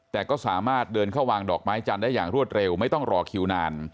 แต่ก็สามารถเดินเข้าวางดอกไม้จันทร์ได้อย่างรวดเร็วไม่ต้องรอคิวนาน